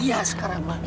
iya sekarang mbak